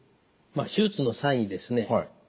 手術の際にですね